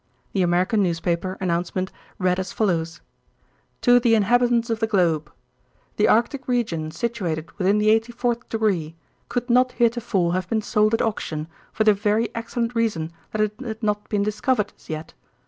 The American newspaper announcement read as follows: To the Inhabitants of the Globe: "The Arctic region situated within the eighty fourth degree could not heretofore have been sold at auction for the very excellent reason that it had not been discovered as yet.